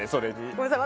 ごめんなさい。